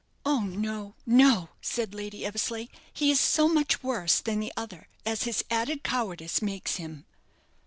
"Oh, no, no!" said Lady Eversleigh, "he is so much worse than the other as his added cowardice makes him."